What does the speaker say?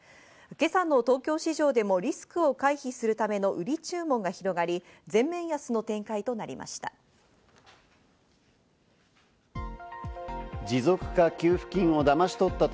今朝の東京市場でもリスクを回避するための売り注文が広がり、全面安の展開となりました。